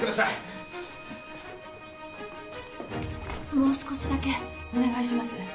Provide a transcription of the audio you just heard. もう少しだけお願いします。